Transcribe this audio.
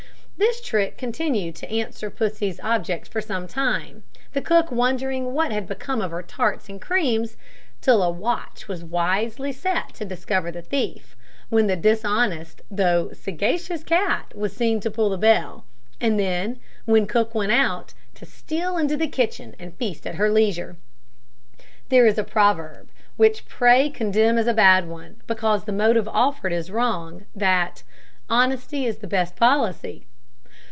This trick continued to answer Pussy's object for some time, the cook wondering what had become of her tarts and creams, till a watch was wisely set to discover the thief, when the dishonest though sagacious cat was seen to pull the bell, and then, when cook went out, to steal into the kitchen and feast at her leisure. There is a proverb which pray condemn as a bad one, because the motive offered is wrong that "honesty is the best policy."